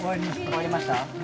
終わりました？